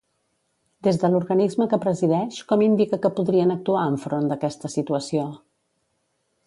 Des de l'organisme que presideix, com indica que podrien actuar enfront d'aquesta situació?